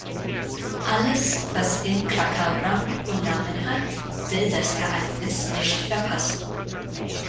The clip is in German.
Alles, was in Krakau Rang und Namen hat, will das Ereignis nicht verpassen.